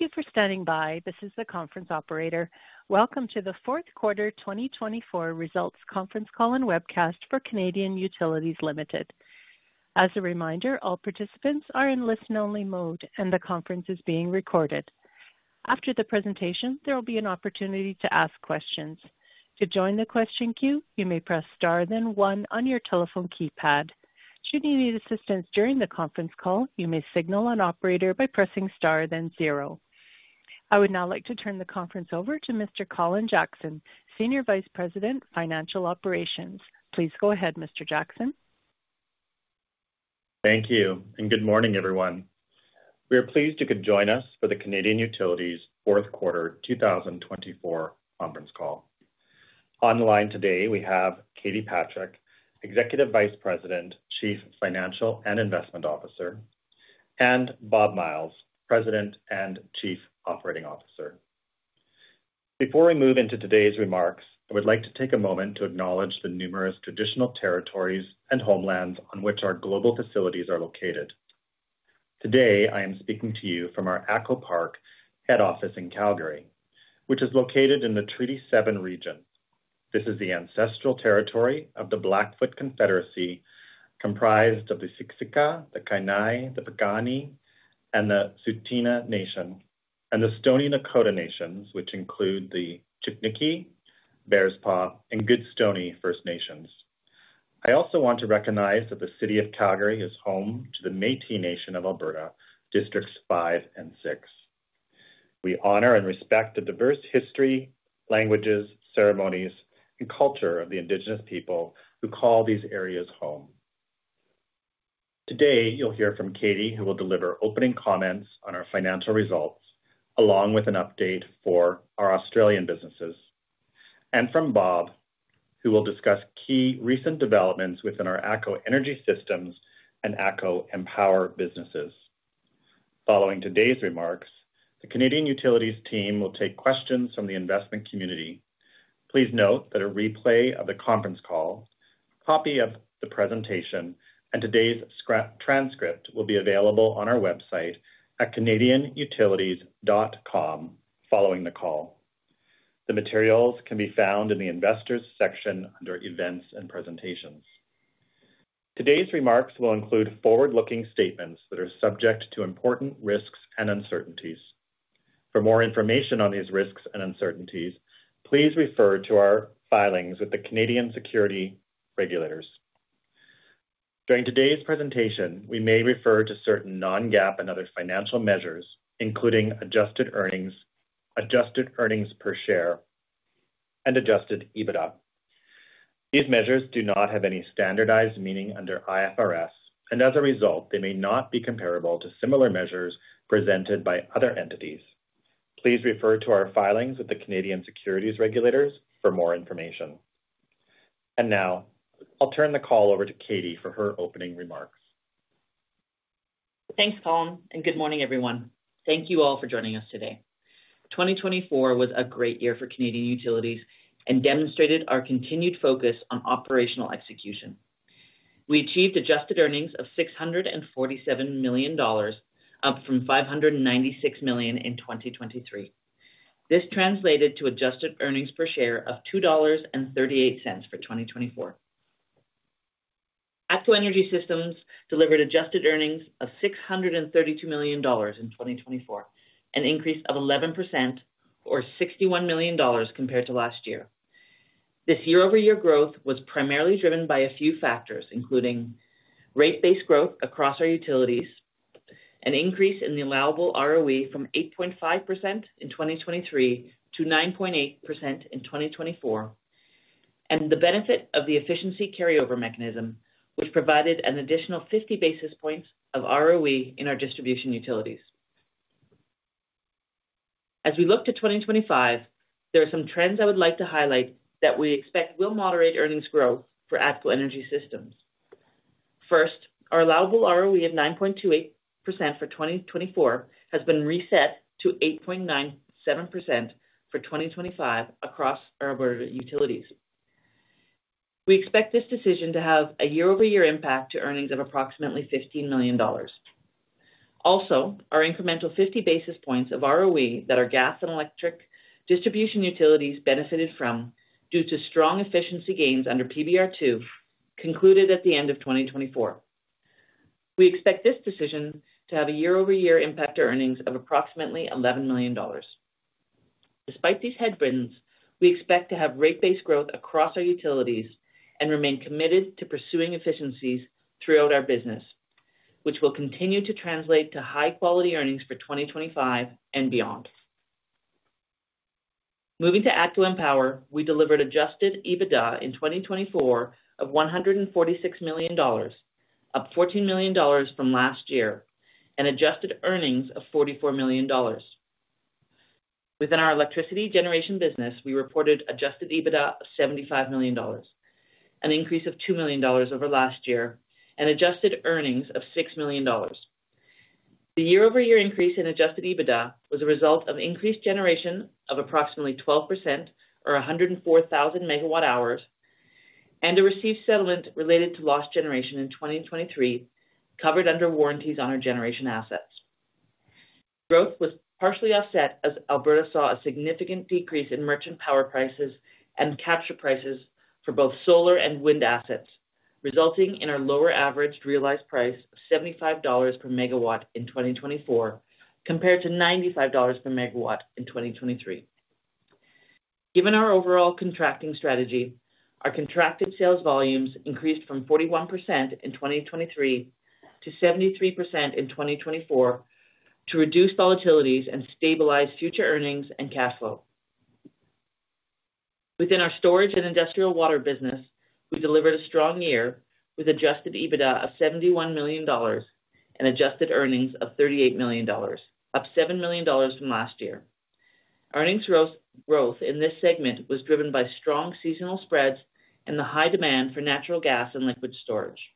Thank you for standing by. This is the conference operator. Welcome to the fourth quarter 2024 results conference call and webcast for Canadian Utilities Limited. As a reminder, all participants are in listen-only mode, and the conference is being recorded. After the presentation, there will be an opportunity to ask questions. To join the question queue, you may press star then one on your telephone keypad. Should you need assistance during the conference call, you may signal an operator by pressing star then zero. I would now like to turn the conference over to Mr. Colin Jackson, Senior Vice President, Financial Operations. Please go ahead, Mr. Jackson. Thank you, and good morning, everyone. We are pleased you could join us for the Canadian Utilities fourth quarter 2024 conference call. On the line today, we have Katie Patrick, Executive Vice President, Chief Financial and Investment Officer, and Bob Myles, President and Chief Operating Officer. Before we move into today's remarks, I would like to take a moment to acknowledge the numerous traditional territories and homelands on which our global facilities are located. Today, I am speaking to you from our ATCO Park head office in Calgary, which is located in the Treaty 7 region. This is the ancestral territory of the Blackfoot Confederacy, comprised of the Siksika, the Kainai, the Piikani, and the Tsuut'ina Nation, and the Stoney Nakoda Nations, which include the Chiniki, Bearspaw, and Goodstoney First Nations. I also want to recognize that the city of Calgary is home to the Métis Nation of Alberta, Districts 5 and 6. We honor and respect the diverse history, languages, ceremonies, and culture of the Indigenous people who call these areas home. Today, you'll hear from Katie, who will deliver opening comments on our financial results, along with an update for our Australian businesses, and from Bob, who will discuss key recent developments within our ATCO Energy Systems and ATCO EnPower businesses. Following today's remarks, the Canadian Utilities team will take questions from the investment community. Please note that a replay of the conference call, a copy of the presentation, and today's transcript will be available on our website at canadianutilities.com following the call. The materials can be found in the Investors section under Events and Presentations. Today's remarks will include forward-looking statements that are subject to important risks and uncertainties. For more information on these risks and uncertainties, please refer to our filings with the Canadian Securities Administrators. During today's presentation, we may refer to certain non-GAAP and other financial measures, including adjusted earnings, adjusted earnings per share, and adjusted EBITDA. These measures do not have any standardized meaning under IFRS, and as a result, they may not be comparable to similar measures presented by other entities. Please refer to our filings with the Canadian Securities Administrators for more information. And now, I'll turn the call over to Katie for her opening remarks. Thanks, Colin, and good morning, everyone. Thank you all for joining us today. 2024 was a great year for Canadian Utilities and demonstrated our continued focus on operational execution. We achieved adjusted earnings of 647 million dollars, up from 596 million in 2023. This translated to adjusted earnings per share of 2.38 dollars for 2024. ATCO Energy Systems delivered adjusted earnings of 632 million dollars in 2024, an increase of 11% or 61 million dollars compared to last year. This year-over-year growth was primarily driven by a few factors, including rate base growth across our utilities, an increase in the allowable ROE from 8.5% in 2023 to 9.8% in 2024, and the benefit of the efficiency carryover mechanism, which provided an additional 50 basis points of ROE in our distribution utilities. As we look to 2025, there are some trends I would like to highlight that we expect will moderate earnings growth for ATCO Energy Systems. First, our allowable ROE of 9.28% for 2024 has been reset to 8.97% for 2025 across our utilities. We expect this decision to have a year-over-year impact to earnings of approximately 15 million dollars. Also, our incremental 50 basis points of ROE that our gas and electric distribution utilities benefited from due to strong efficiency gains under PBR 2 concluded at the end of 2024. We expect this decision to have a year-over-year impact to earnings of approximately 11 million dollars. Despite these headwinds, we expect to have rate-based growth across our utilities and remain committed to pursuing efficiencies throughout our business, which will continue to translate to high-quality earnings for 2025 and beyond. Moving to ATCO EnPower, we delivered adjusted EBITDA in 2024 of 146 million dollars, up 14 million dollars from last year, and adjusted earnings of 44 million dollars. Within our electricity generation business, we reported adjusted EBITDA of 75 million dollars, an increase of 2 million dollars over last year, and adjusted earnings of 6 million dollars. The year-over-year increase in adjusted EBITDA was a result of increased generation of approximately 12% or 104,000 MW hours, and a received settlement related to lost generation in 2023 covered under warranties on our generation assets. Growth was partially offset as Alberta saw a significant decrease in merchant power prices and capture prices for both solar and wind assets, resulting in our lower average realized price of $75 per MW in 2024 compared to $95 per MW in 2023. Given our overall contracting strategy, our contracted sales volumes increased from 41% in 2023 to 73% in 2024 to reduce volatilities and stabilize future earnings and cash flow. Within our storage and industrial water business, we delivered a strong year with adjusted EBITDA of 71 million dollars and adjusted earnings of 38 million dollars, up 7 million dollars from last year. Earnings growth in this segment was driven by strong seasonal spreads and the high demand for natural gas and liquid storage.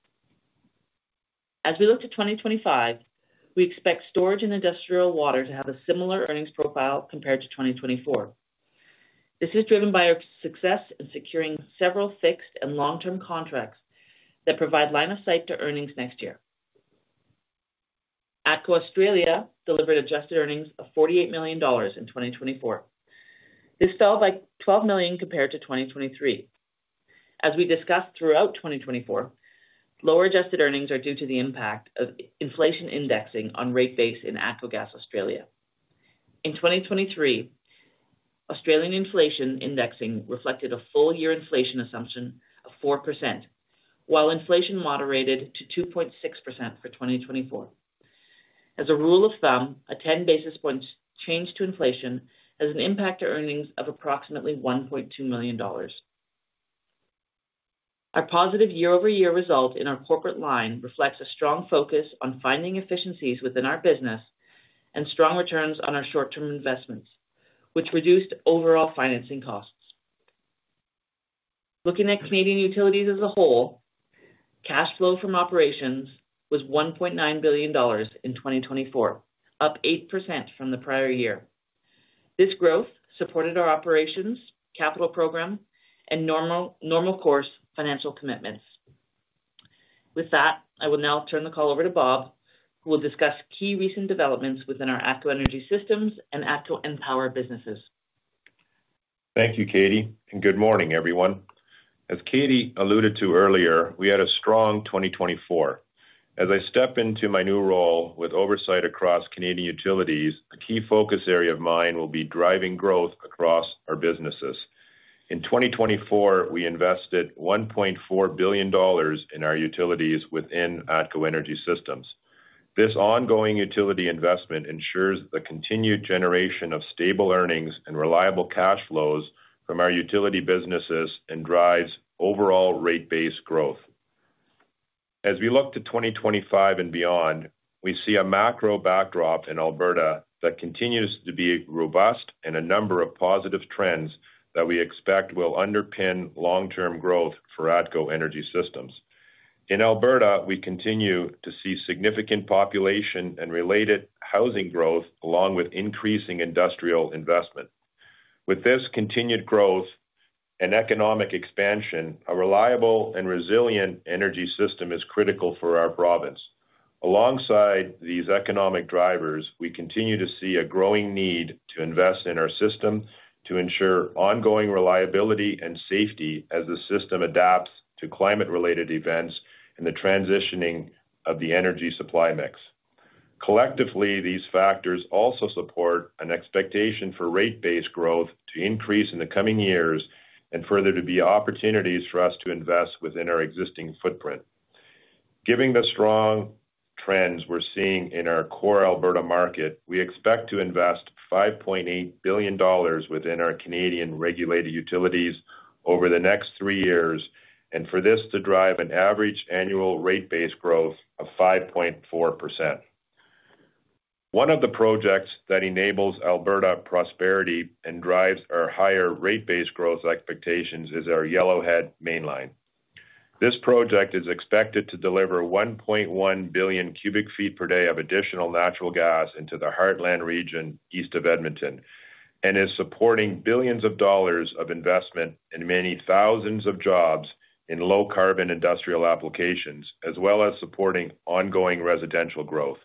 As we look to 2025, we expect storage and industrial water to have a similar earnings profile compared to 2024. This is driven by our success in securing several fixed and long-term contracts that provide line of sight to earnings next year. ATCO Australia delivered adjusted earnings of 48 million dollars in 2024. This fell by 12 million compared to 2023. As we discussed throughout 2024, lower adjusted earnings are due to the impact of inflation indexing on rate base in ATCO Gas Australia. In 2023, Australian inflation indexing reflected a full-year inflation assumption of 4%, while inflation moderated to 2.6% for 2024. As a rule of thumb, a 10 basis points change to inflation has an impact to earnings of approximately 1.2 million dollars. Our positive year-over-year result in our corporate line reflects a strong focus on finding efficiencies within our business and strong returns on our short-term investments, which reduced overall financing costs. Looking at Canadian Utilities as a whole, cash flow from operations was 1.9 billion dollars in 2024, up 8% from the prior year. This growth supported our operations, capital program, and normal course financial commitments. With that, I will now turn the call over to Bob, who will discuss key recent developments within our ATCO Energy Systems and ATCO EnPower businesses. Thank you, Katie, and good morning, everyone. As Katie alluded to earlier, we had a strong 2024. As I step into my new role with oversight across Canadian Utilities, a key focus area of mine will be driving growth across our businesses. In 2024, we invested 1.4 billion dollars in our utilities within ATCO Energy Systems. This ongoing utility investment ensures the continued generation of stable earnings and reliable cash flows from our utility businesses and drives overall rate-based growth. As we look to 2025 and beyond, we see a macro backdrop in Alberta that continues to be robust and a number of positive trends that we expect will underpin long-term growth for ATCO Energy Systems. In Alberta, we continue to see significant population and related housing growth, along with increasing industrial investment. With this continued growth and economic expansion, a reliable and resilient energy system is critical for our province. Alongside these economic drivers, we continue to see a growing need to invest in our system to ensure ongoing reliability and safety as the system adapts to climate-related events and the transitioning of the energy supply mix. Collectively, these factors also support an expectation for rate-based growth to increase in the coming years and further to be opportunities for us to invest within our existing footprint. Given the strong trends we're seeing in our core Alberta market, we expect to invest 5.8 billion dollars within our Canadian regulated utilities over the next three years, and for this to drive an average annual rate-based growth of 5.4%. One of the projects that enables Alberta prosperity and drives our higher rate-based growth expectations is our Yellowhead Mainline. This project is expected to deliver 1.1 billion cubic feet per day of additional natural gas into the Heartland region east of Edmonton and is supporting billions of dollars of investment and many thousands of jobs in low-carbon industrial applications, as well as supporting ongoing residential growth.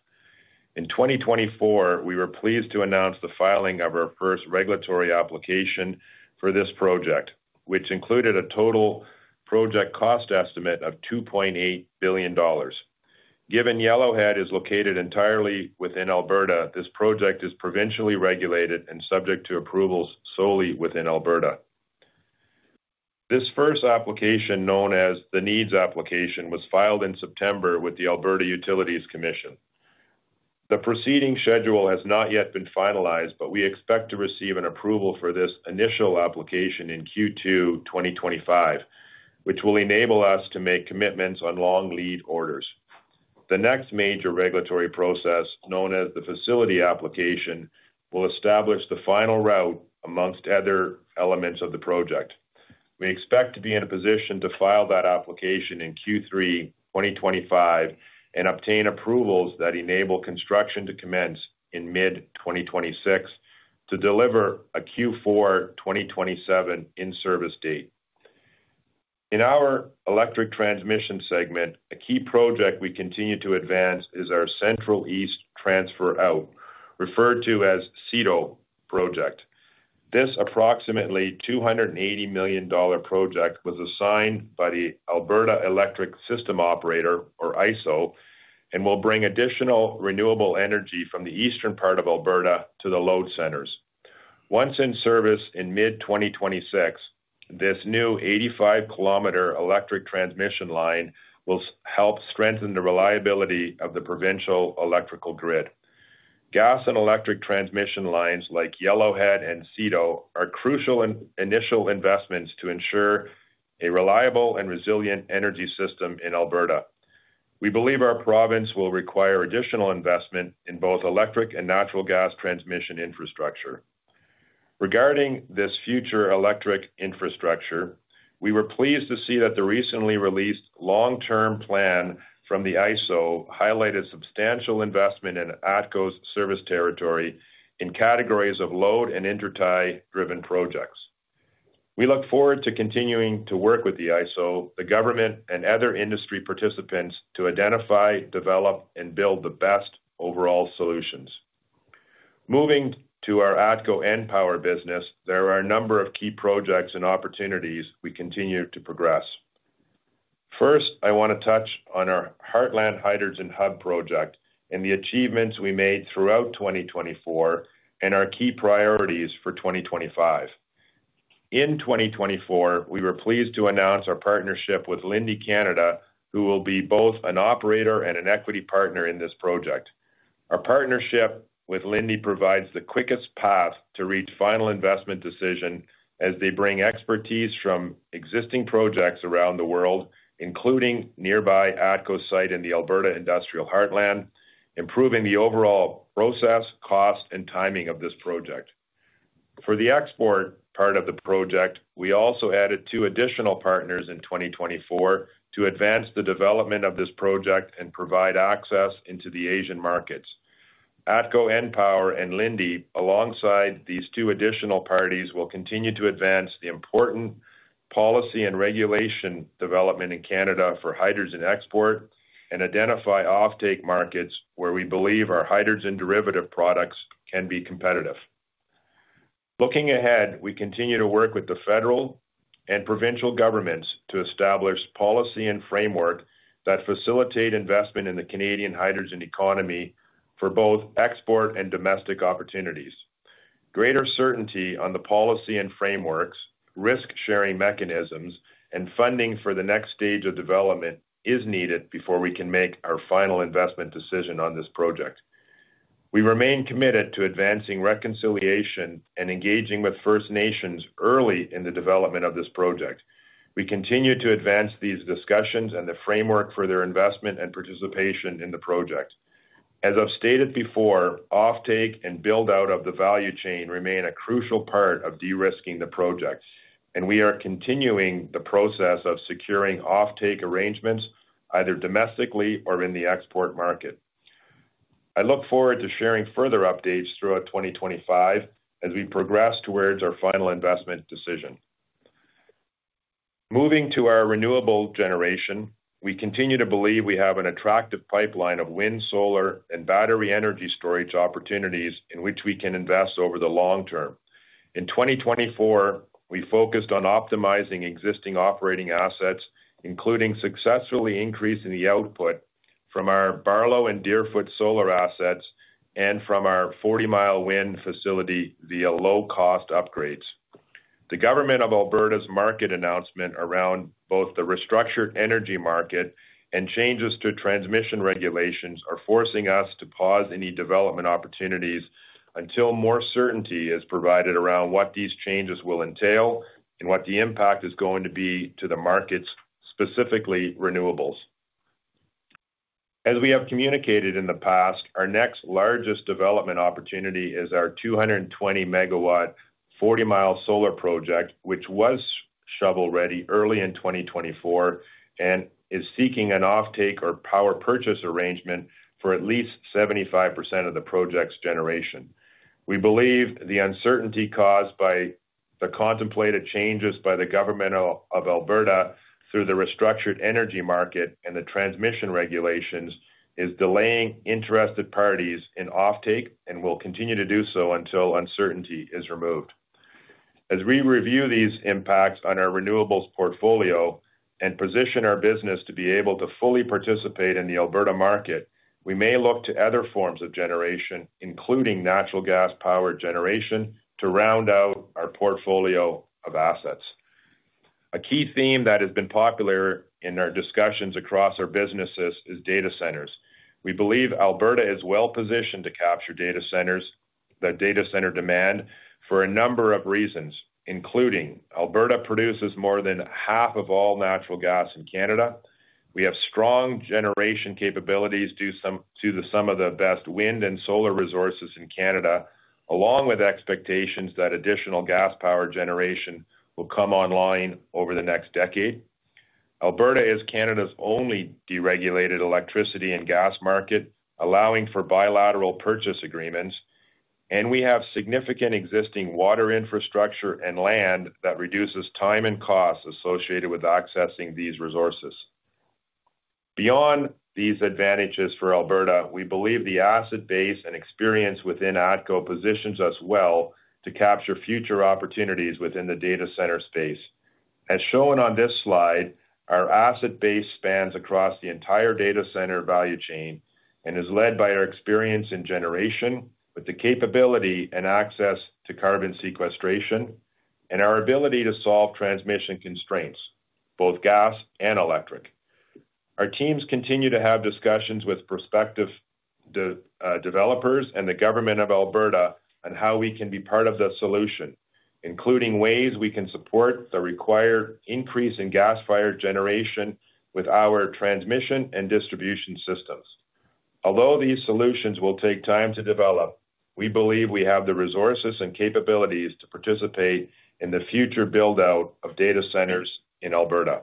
In 2024, we were pleased to announce the filing of our first regulatory application for this project, which included a total project cost estimate of 2.8 billion dollars. Given Yellowhead is located entirely within Alberta, this project is provincially regulated and subject to approvals solely within Alberta. This first application, known as the Needs application, was filed in September with the Alberta Utilities Commission. The proceeding schedule has not yet been finalized, but we expect to receive an approval for this initial application in Q2 2025, which will enable us to make commitments on long lead orders. The next major regulatory process, known as the Facility application, will establish the final route among other elements of the project. We expect to be in a position to file that application in Q3 2025 and obtain approvals that enable construction to commence in mid-2026 to deliver a Q4 2027 in-service date. In our electric transmission segment, a key project we continue to advance is our Central East Transfer Out, referred to as CETO project. This approximately 280 million dollar project was assigned by the Alberta Electric System Operator, or AESO, and will bring additional renewable energy from the eastern part of Alberta to the load centers. Once in service in mid-2026, this new 85 km electric transmission line will help strengthen the reliability of the provincial electrical grid. Gas and electric transmission lines like Yellowhead and CETO are crucial initial investments to ensure a reliable and resilient energy system in Alberta. We believe our province will require additional investment in both electric and natural gas transmission infrastructure. Regarding this future electric infrastructure, we were pleased to see that the recently released long-term plan from the AESO highlighted substantial investment in ATCO's service territory in categories of load and intertie-driven projects. We look forward to continuing to work with the AESO, the government, and other industry participants to identify, develop, and build the best overall solutions. Moving to our ATCO EnPower business, there are a number of key projects and opportunities we continue to progress. First, I want to touch on our Heartland Hydrogen Hub project and the achievements we made throughout 2024 and our key priorities for 2025. In 2024, we were pleased to announce our partnership with Linde Canada, who will be both an operator and an equity partner in this project. Our partnership with Linde provides the quickest path to reach final investment decision as they bring expertise from existing projects around the world, including nearby ATCO site in the Alberta Industrial Heartland, improving the overall process, cost, and timing of this project. For the export part of the project, we also added two additional partners in 2024 to advance the development of this project and provide access into the Asian markets. ATCO EnPower and Linde, alongside these two additional parties, will continue to advance the important policy and regulation development in Canada for hydrogen export and identify offtake markets where we believe our hydrogen derivative products can be competitive. Looking ahead, we continue to work with the federal and provincial governments to establish policy and framework that facilitate investment in the Canadian hydrogen economy for both export and domestic opportunities. Greater certainty on the policy and frameworks, risk-sharing mechanisms, and funding for the next stage of development is needed before we can make our final investment decision on this project. We remain committed to advancing reconciliation and engaging with First Nations early in the development of this project. We continue to advance these discussions and the framework for their investment and participation in the project. As I've stated before, offtake and build-out of the value chain remain a crucial part of de-risking the project, and we are continuing the process of securing offtake arrangements either domestically or in the export market. I look forward to sharing further updates throughout 2025 as we progress towards our final investment decision. Moving to our renewable generation, we continue to believe we have an attractive pipeline of wind, solar, and battery energy storage opportunities in which we can invest over the long term. In 2024, we focused on optimizing existing operating assets, including successfully increasing the output from our Barlow and Deerfoot solar assets and from our 40 Mile Wind facility via low-cost upgrades. The government of Alberta's market announcement around both the restructured energy market and changes to transmission regulations are forcing us to pause any development opportunities until more certainty is provided around what these changes will entail and what the impact is going to be to the markets, specifically renewables. As we have communicated in the past, our next largest development opportunity is our 220-MW, 40 Mile Solar project, which was shovel-ready early in 2024 and is seeking an offtake or power purchase arrangement for at least 75% of the project's generation. We believe the uncertainty caused by the contemplated changes by the government of Alberta through the restructured energy market and the transmission regulations is delaying interested parties in offtake and will continue to do so until uncertainty is removed. As we review these impacts on our renewables portfolio and position our business to be able to fully participate in the Alberta market, we may look to other forms of generation, including natural gas-powered generation, to round out our portfolio of assets. A key theme that has been popular in our discussions across our businesses is data centers. We believe Alberta is well-positioned to capture data centers, the data center demand, for a number of reasons, including Alberta produces more than half of all natural gas in Canada. We have strong generation capabilities due to some of the best wind and solar resources in Canada, along with expectations that additional gas-powered generation will come online over the next decade. Alberta is Canada's only deregulated electricity and gas market, allowing for bilateral purchase agreements, and we have significant existing water infrastructure and land that reduces time and cost associated with accessing these resources. Beyond these advantages for Alberta, we believe the asset base and experience within ATCO positions us well to capture future opportunities within the data center space. As shown on this slide, our asset base spans across the entire data center value chain and is led by our experience in generation with the capability and access to carbon sequestration and our ability to solve transmission constraints, both gas and electric. Our teams continue to have discussions with prospective developers and the government of Alberta on how we can be part of the solution, including ways we can support the required increase in gas-fired generation with our transmission and distribution systems. Although these solutions will take time to develop, we believe we have the resources and capabilities to participate in the future build-out of data centers in Alberta.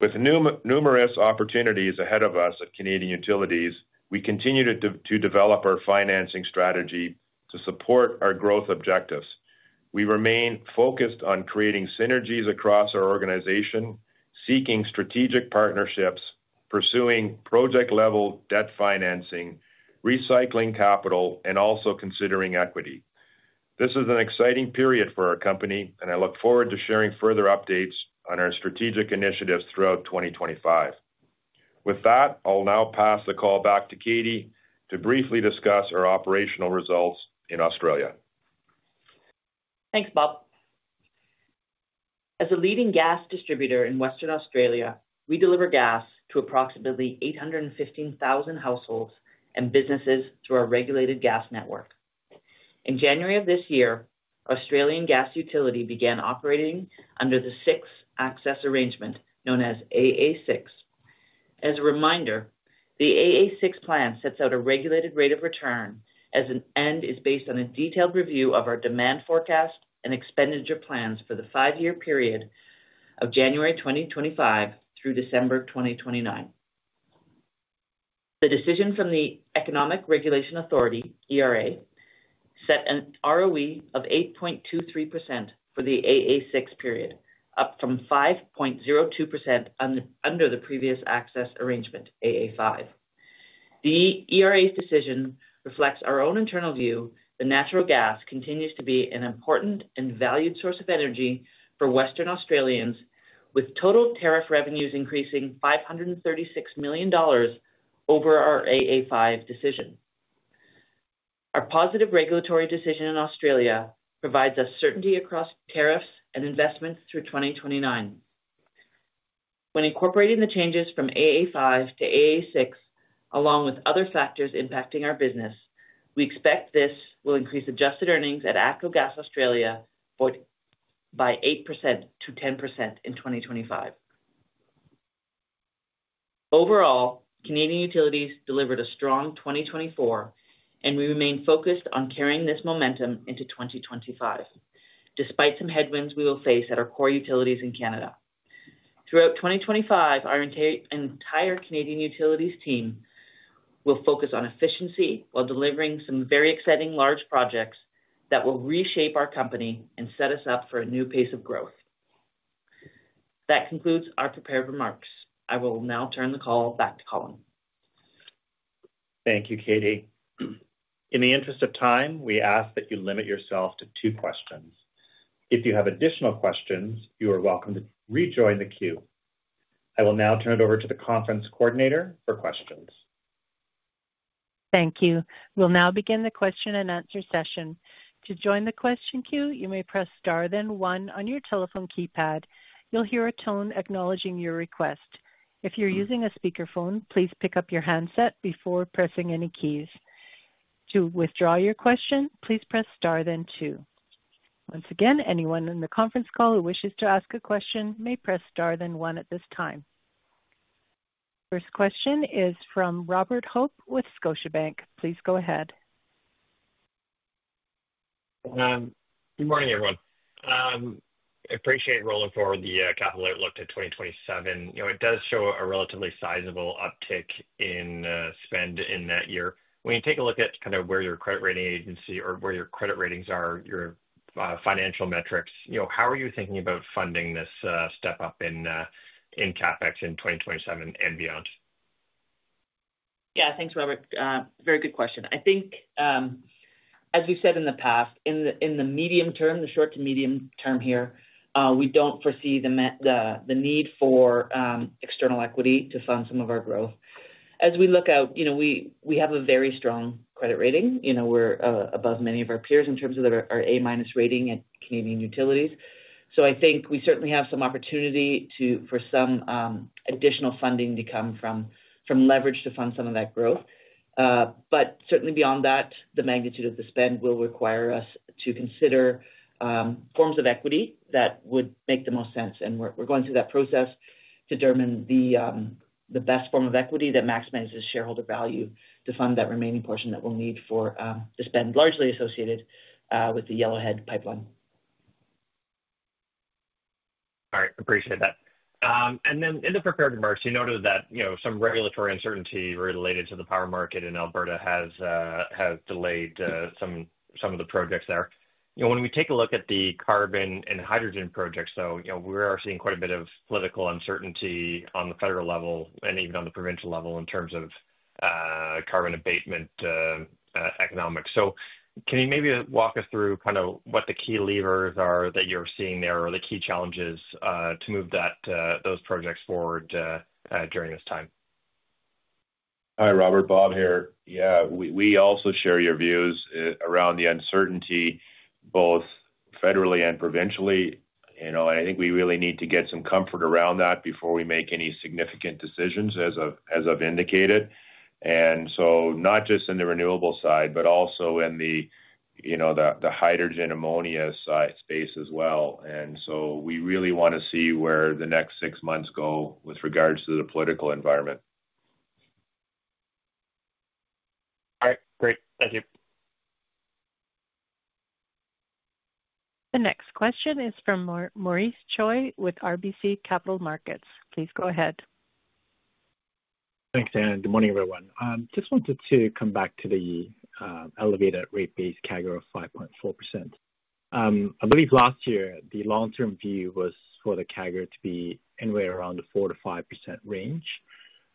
With numerous opportunities ahead of us at Canadian Utilities, we continue to develop our financing strategy to support our growth objectives. We remain focused on creating synergies across our organization, seeking strategic partnerships, pursuing project-level debt financing, recycling capital, and also considering equity. This is an exciting period for our company, and I look forward to sharing further updates on our strategic initiatives throughout 2025. With that, I'll now pass the call back to Katie to briefly discuss our operational results in Australia. Thanks, Bob. As a leading gas distributor in Western Australia, we deliver gas to approximately 815,000 households and businesses through our regulated gas network. In January of this year, ATCO Gas Australia began operating under the six Access Arrangement, known as AA6. As a reminder, the AA6 plan sets out a regulated rate of return and it is based on a detailed review of our demand forecast and expenditure plans for the five-year period of January 2025 through December 2029. The decision from the Economic Regulation Authority, ERA, set an ROE of 8.23% for the AA6 period, up from 5.02% under the previous access arrangement, AA5. The ERA's decision reflects our own internal view that natural gas continues to be an important and valued source of energy for Western Australians, with total tariff revenues increasing 536 million dollars over our AA5 decision. Our positive regulatory decision in Australia provides us certainty across tariffs and investments through 2029. When incorporating the changes from AA5 to AA6, along with other factors impacting our business, we expect this will increase adjusted earnings at ATCO Gas Australia by 8%-10% in 2025. Overall, Canadian Utilities delivered a strong 2024, and we remain focused on carrying this momentum into 2025, despite some headwinds we will face at our core utilities in Canada. Throughout 2025, our entire Canadian Utilities team will focus on efficiency while delivering some very exciting large projects that will reshape our company and set us up for a new pace of growth. That concludes our prepared remarks. I will now turn the call back to Colin. Thank you, Katie. In the interest of time, we ask that you limit yourself to two questions. If you have additional questions, you are welcome to rejoin the queue. I will now turn it over to the conference coordinator for questions. Thank you. We'll now begin the question and answer session. To join the question queue, you may press star then one on your telephone keypad. You'll hear a tone acknowledging your request. If you're using a speakerphone, please pick up your handset before pressing any keys. To withdraw your question, please press star then two. Once again, anyone in the conference call who wishes to ask a question may press star then one at this time. First question is from Robert Hope with Scotiabank. Please go ahead. Good morning, everyone. I appreciate rolling forward the capital outlook to 2027. It does show a relatively sizable uptick in spend in that year. When you take a look at kind of where your credit rating agency or where your credit ratings are, your financial metrics, how are you thinking about funding this step up in CapEx in 2027 and beyond? Yeah, thanks, Robert. Very good question. I think, as we've said in the past, in the medium term, the short to medium term here, we don't foresee the need for external equity to fund some of our growth. As we look out, we have a very strong credit rating. We're above many of our peers in terms of our A-rating at Canadian Utilities. So I think we certainly have some opportunity for some additional funding to come from leverage to fund some of that growth. But certainly beyond that, the magnitude of the spend will require us to consider forms of equity that would make the most sense. And we're going through that process to determine the best form of equity that maximizes shareholder value to fund that remaining portion that we'll need for the spend largely associated with the Yellowhead pipeline. All right. Appreciate that. And then in the prepared remarks, you noted that some regulatory uncertainty related to the power market in Alberta has delayed some of the projects there. When we take a look at the carbon and hydrogen projects, though, we are seeing quite a bit of political uncertainty on the federal level and even on the provincial level in terms of carbon abatement economics. So, can you maybe walk us through kind of what the key levers are that you're seeing there or the key challenges to move those projects forward during this time? Hi, Robert. Bob here. Yeah, we also share your views around the uncertainty, both federally and provincially. And I think we really need to get some comfort around that before we make any significant decisions, as I've indicated. And so not just in the renewable side, but also in the hydrogen ammonia space as well. And so we really want to see where the next six months go with regards to the political environment. All right. Great. Thank you. The next question is from Maurice Choy with RBC Capital Markets. Please go ahead. Thanks, Dan. Good morning, everyone. Just wanted to come back to the elevated rate base CAGR of 5.4%. I believe last year, the long-term view was for the CAGR to be anywhere around the 4%-5% range.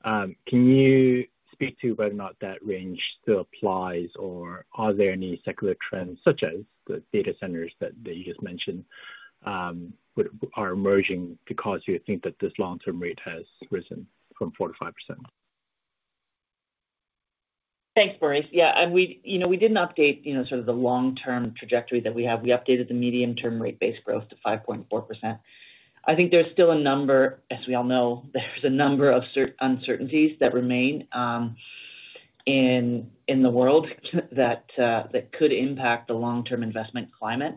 Can you speak to whether or not that range still applies, or are there any secular trends, such as the data centers that you just mentioned, that are emerging to cause you to think that this long-term rate has risen from 4%-5%? Thanks, Maurice. Yeah. And we didn't update sort of the long-term trajectory that we have. We updated the medium-term rate-based growth to 5.4%. I think there's still a number, as we all know, there's a number of uncertainties that remain in the world that could impact the long-term investment climate.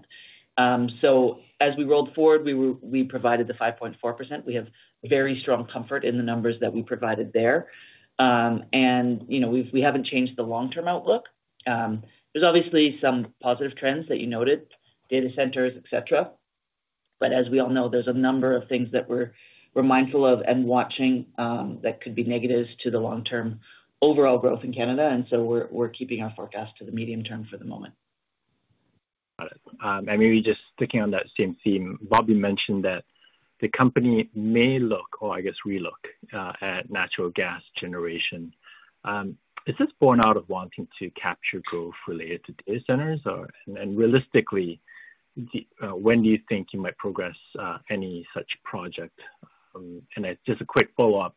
So as we rolled forward, we provided the 5.4%. We have very strong comfort in the numbers that we provided there. And we haven't changed the long-term outlook. There's obviously some positive trends that you noted, data centers, etc. But as we all know, there's a number of things that we're mindful of and watching that could be negatives to the long-term overall growth in Canada, and so we're keeping our forecast to the medium term for the moment. Got it, and maybe just sticking on that same theme, Bob, you mentioned that the company may look, or I guess relook, at natural gas generation. Is this born out of wanting to capture growth related to data centers? And realistically, when do you think you might progress any such project? And just a quick follow-up: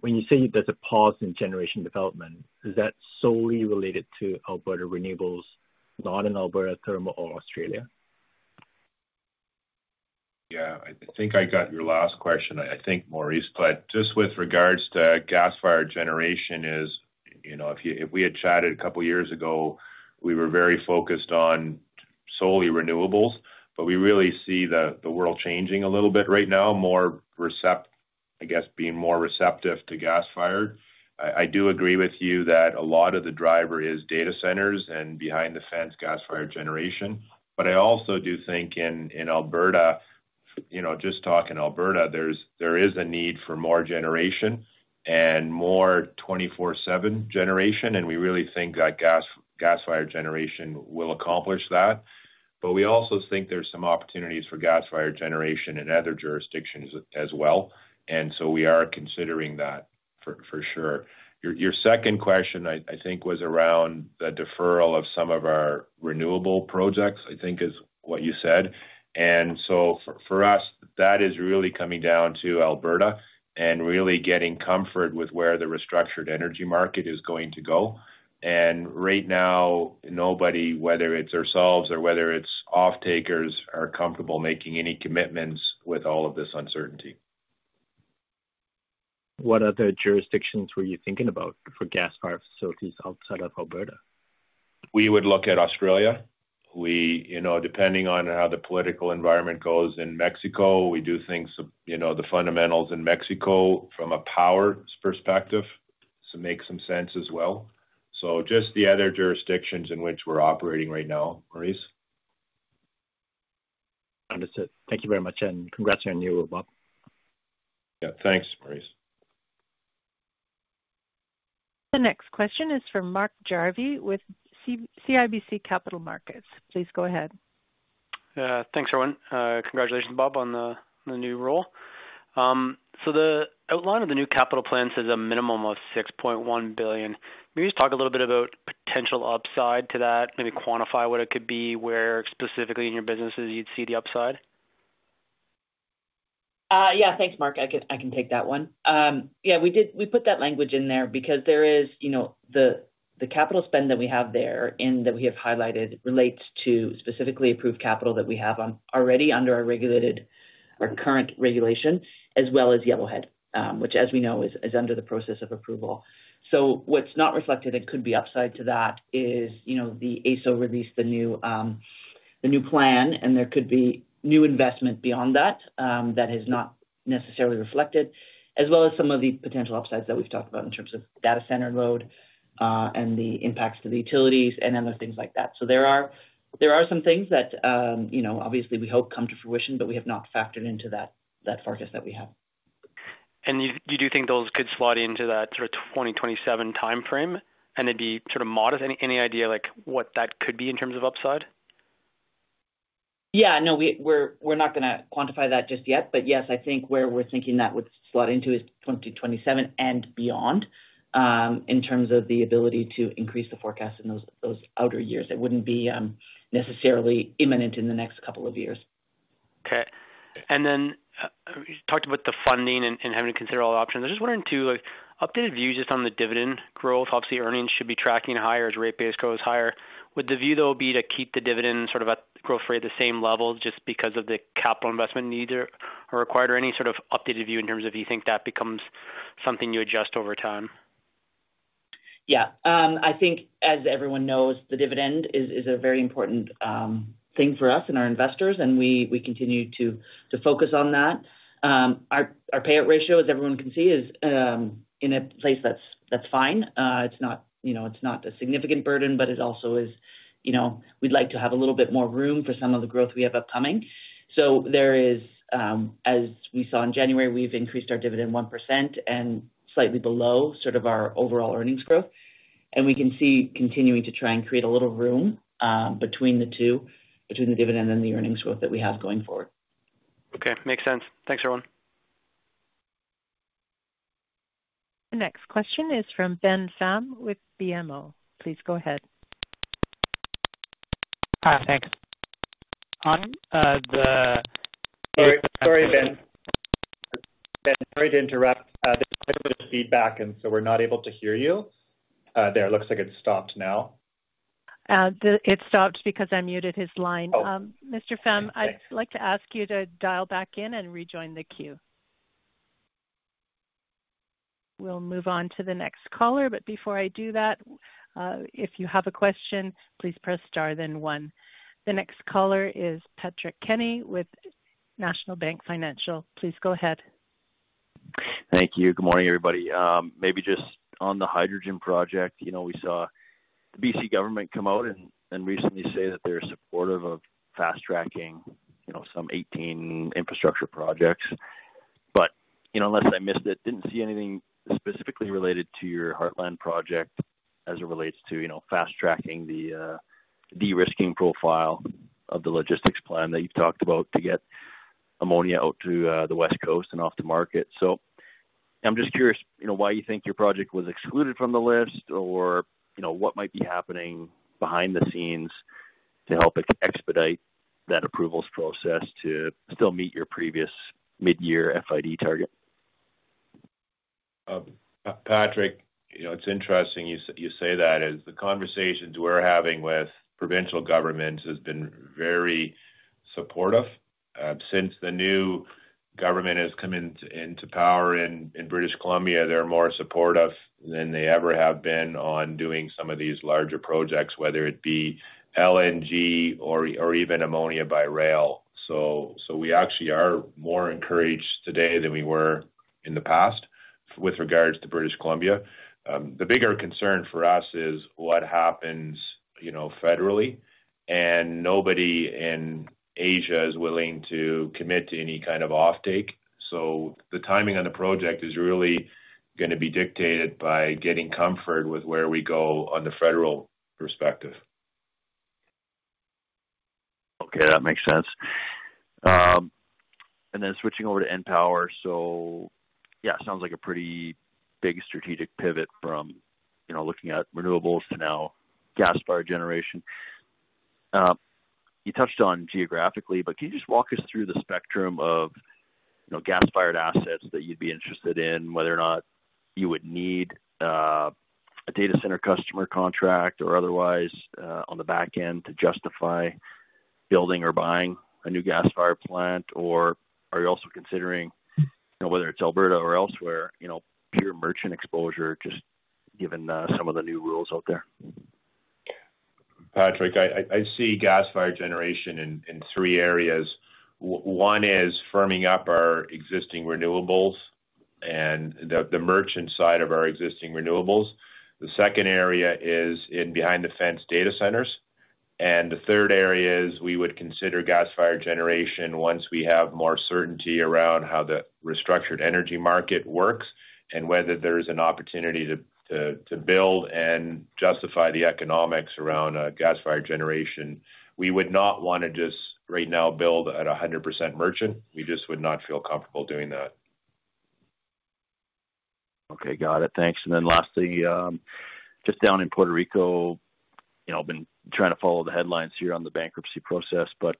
When you say there's a pause in generation development, is that solely related to Alberta Renewables, not in Alberta Thermal or Australia? Yeah, I think I got your last question, I think, Maurice, but just with regards to gas-fired generation. If we had chatted a couple of years ago, we were very focused on solely renewables, but we really see the world changing a little bit right now, I guess, being more receptive to gas-fired. I do agree with you that a lot of the driver is data centers and behind the fence gas-fired generation. But I also do think in Alberta, just talking Alberta, there is a need for more generation and more 24/7 generation. And we really think that gas-fired generation will accomplish that. But we also think there's some opportunities for gas-fired generation in other jurisdictions as well. And so we are considering that for sure. Your second question, I think, was around the deferral of some of our renewable projects, I think, is what you said. And so for us, that is really coming down to Alberta and really getting comfort with where the restructured energy market is going to go. And right now, nobody, whether it's ourselves or whether it's off-takers, are comfortable making any commitments with all of this uncertainty. What other jurisdictions were you thinking about for gas fired facilities outside of Alberta? We would look at Australia. Depending on how the political environment goes in Mexico, we do think the fundamentals in Mexico from a power perspective makes some sense as well. So just the other jurisdictions in which we're operating right now, Maurice. Understood. Thank you very much. And congrats on your new rollout. Yeah, thanks, Maurice. The next question is from Mark Jarvi with CIBC Capital Markets. Please go ahead. Thanks, everyone. Congratulations, Bob, on the new role. So the outline of the new capital plan says a minimum of 6.1 billion. Can you just talk a little bit about potential upside to that? Maybe quantify what it could be, where specifically in your businesses you'd see the upside? Yeah, thanks, Mark. I can take that one. Yeah, we put that language in there because there is the capital spend that we have there and that we have highlighted relates to specifically approved capital that we have already under our current regulation, as well as Yellowhead, which, as we know, is under the process of approval. So what's not reflected and could be upside to that is the AESO released the new plan, and there could be new investment beyond that that is not necessarily reflected, as well as some of the potential upsides that we've talked about in terms of data center load and the impacts to the utilities and other things like that. So there are some things that obviously we hope come to fruition, but we have not factored into that focus that we have. You do think those could slide into that sort of 2027 timeframe, and it'd be sort of modest. Any idea what that could be in terms of upside? Yeah, no, we're not going to quantify that just yet. But yes, I think where we're thinking that would slide into is 2027 and beyond in terms of the ability to increase the forecast in those outer years. It wouldn't be necessarily imminent in the next couple of years. Okay. And then you talked about the funding and having to consider all options. I just wanted an updated view just on the dividend growth. Obviously, earnings should be tracking higher as rate base growth is higher. Would the view, though, be to keep the dividend sort of at growth rate at the same level just because of the capital investment needed or required, or any sort of updated view in terms of you think that becomes something you adjust over time? Yeah. I think, as everyone knows, the dividend is a very important thing for us and our investors, and we continue to focus on that. Our payout ratio, as everyone can see, is in a place that's fine. It's not a significant burden, but it also is we'd like to have a little bit more room for some of the growth we have upcoming. So there is, as we saw in January, we've increased our dividend 1% and slightly below sort of our overall earnings growth. And we can see continuing to try and create a little room between the two, between the dividend and the earnings growth that we have going forward. Okay. Makes sense. Thanks, everyone. The next question is from Ben Pham with BMO. Please go ahead. Hi, thanks. Hi. Sorry, Ben. Sorry to interrupt. There's quite a bit of feedback, and so we're not able to hear you. There, it looks like it stopped now. It stopped because I muted his line. Mr. Pham, I'd like to ask you to dial back in and rejoin the queue. We'll move on to the next caller. But before I do that, if you have a question, please press star then one. The next caller is Patrick Kenny with National Bank Financial. Please go ahead. Thank you. Good morning, everybody. Maybe just on the hydrogen project, we saw the BC government come out and recently say that they're supportive of fast-tracking some 18 infrastructure projects. But unless I missed it, didn't see anything specifically related to your Heartland project as it relates to fast-tracking the de-risking profile of the logistics plan that you've talked about to get ammonia out to the West Coast and off the market. So I'm just curious why you think your project was excluded from the list, or what might be happening behind the scenes to help expedite that approvals process to still meet your previous mid-year FID target. Patrick, it's interesting you say that, as the conversations we're having with provincial governments have been very supportive. Since the new government has come into power in British Columbia, they're more supportive than they ever have been on doing some of these larger projects, whether it be LNG or even ammonia by rail. So we actually are more encouraged today than we were in the past with regards to British Columbia. The bigger concern for us is what happens federally. And nobody in Asia is willing to commit to any kind of offtake. So the timing on the project is really going to be dictated by getting comfort with where we go on the federal perspective. Okay. That makes sense. And then switching over to EnPower. So yeah, it sounds like a pretty big strategic pivot from looking at renewables to now gas fired generation. You touched on geographically, but can you just walk us through the spectrum of gas-fired assets that you'd be interested in, whether or not you would need a data center customer contract or otherwise on the back end to justify building or buying a new gas-fired plant? Or are you also considering, whether it's Alberta or elsewhere, pure merchant exposure, just given some of the new rules out there? Patrick, I see gas-fired generation in three areas. One is firming up our existing renewables and the merchant side of our existing renewables. The second area is in behind-the-fence data centers. And the third area is we would consider gas-fired generation once we have more certainty around how the restructured energy market works and whether there is an opportunity to build and justify the economics around gas-fired generation. We would not want to just right now build at 100% merchant. We just would not feel comfortable doing that. Okay. Got it. Thanks. And then lastly, just down in Puerto Rico, I've been trying to follow the headlines here on the bankruptcy process, but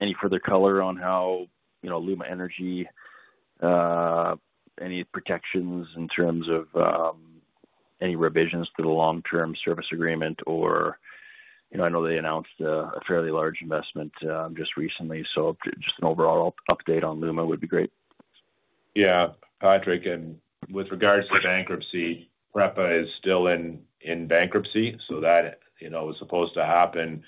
any further color on how LUMA Energy, any protections in terms of any revisions to the long-term service agreement? Or I know they announced a fairly large investment just recently. So just an overall update on LUMA would be great. Yeah. Patrick, and with regards to bankruptcy, PREPA is still in bankruptcy. So that was supposed to happen a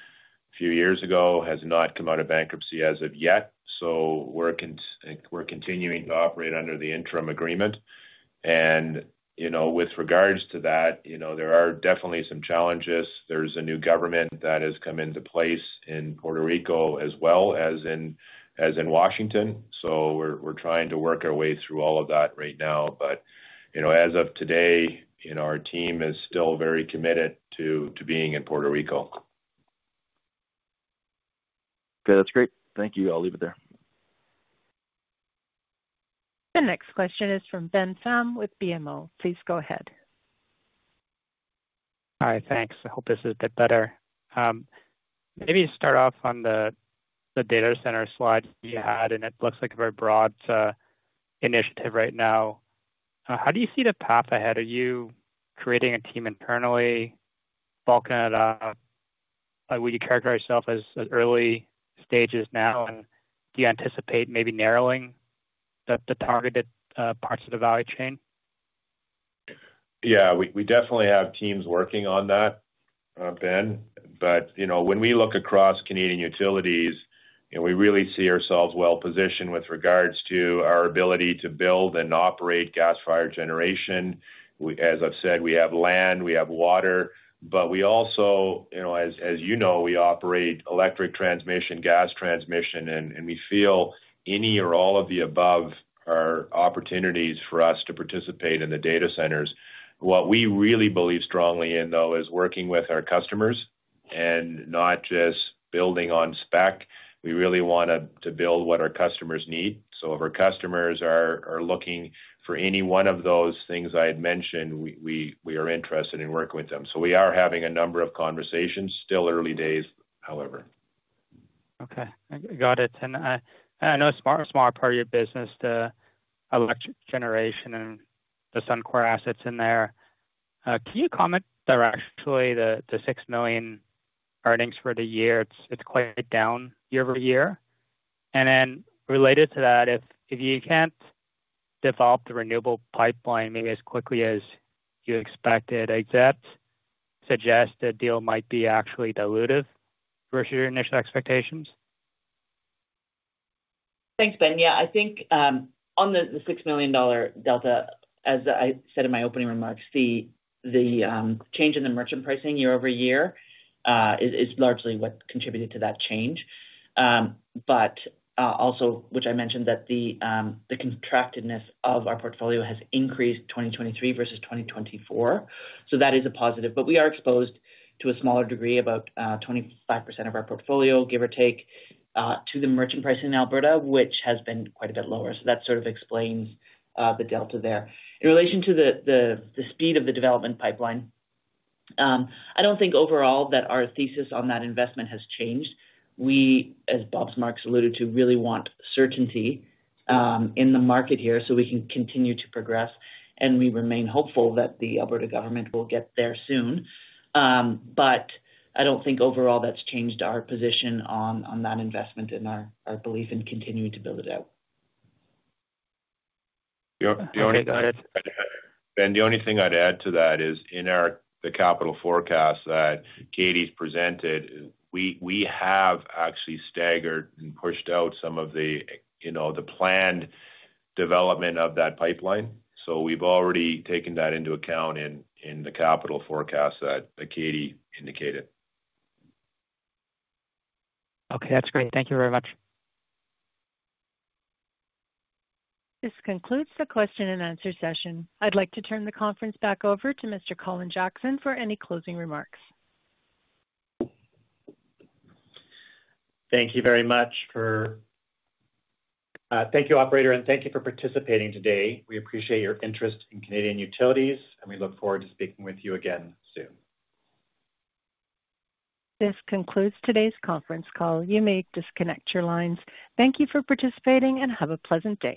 few years ago, has not come out of bankruptcy as of yet. So we're continuing to operate under the interim agreement. And with regards to that, there are definitely some challenges. There is a new government that has come into place in Puerto Rico as well as in Washington. So we're trying to work our way through all of that right now. But as of today, our team is still very committed to being in Puerto Rico. Okay. That's great. Thank you. I'll leave it there. The next question is from Ben Pham with BMO. Please go ahead. Hi. Thanks. I hope this is a bit better. Maybe start off on the data center slides you had, and it looks like a very broad initiative right now. How do you see the path ahead? Are you creating a team internally, bulking it up? Would you characterize yourself as early stages now? And do you anticipate maybe narrowing the targeted parts of the value chain? Yeah. We definitely have teams working on that, Ben. When we look across Canadian Utilities, we really see ourselves well-positioned with regards to our ability to build and operate gas-fired generation. As I've said, we have land, we have water. But we also, as you know, we operate electric transmission, gas transmission, and we feel any or all of the above are opportunities for us to participate in the data centers. What we really believe strongly in, though, is working with our customers and not just building on spec. We really want to build what our customers need. So if our customers are looking for any one of those things I had mentioned, we are interested in working with them. So we are having a number of conversations. Still early days, however. Okay. Got it. And I know it's a smaller part of your business, the electric generation and the Suncor assets in there. Can you comment. They're actually, the 6 million earnings for the year, it's quite down year-over-year. And then related to that, if you can't develop the renewable pipeline maybe as quickly as you expected, I guess, suggest a deal might be actually dilutive versus your initial expectations. Thanks, Ben. Yeah. I think on the 6 million dollar delta, as I said in my opening remarks, the change in the merchant pricing year-over-year is largely what contributed to that change. But also, which I mentioned, that the contractedness of our portfolio has increased 2023 versus 2024. So that is a positive. But we are exposed to a smaller degree, about 25% of our portfolio, give or take, to the merchant pricing in Alberta, which has been quite a bit lower. So that sort of explains the delta there. In relation to the speed of the development pipeline, I don't think overall that our thesis on that investment has changed. We, as Bob's remarks alluded to, really want certainty in the market here so we can continue to progress. And we remain hopeful that the Alberta government will get there soon. But I don't think overall that's changed our position on that investment and our belief in continuing to build it out. Ben, the only thing I'd add to that is in the capital forecast that Katie's presented, we have actually staggered and pushed out some of the planned development of that pipeline. So we've already taken that into account in the capital forecast that Katie indicated. Okay. That's great. Thank you very much. This concludes the question and answer session. I'd like to turn the conference back over to Mr. Colin Jackson for any closing remarks. Thank you very much. Thank you, operator, and thank you for participating today. We appreciate your interest in Canadian Utilities, and we look forward to speaking with you again soon. This concludes today's conference call. You may disconnect your lines. Thank you for participating and have a pleasant day.